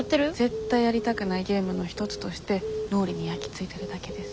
絶対やりたくないゲームの一つとして脳裏に焼き付いてるだけです。